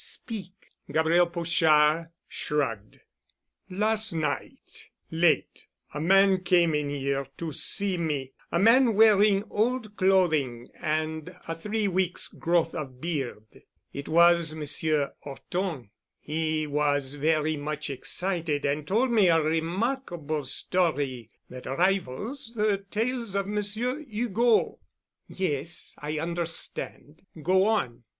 "Speak——" Gabriel Pochard shrugged. "Last night, late, a man came in here to see me, a man wearing old clothing and a three weeks' growth of beard. It was Monsieur 'Orton. He was very much excited and told me a remarkable story that rivals the tales of Monsieur Hugo." "Yes, I understand. Go on."